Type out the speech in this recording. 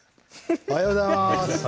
おはようございます。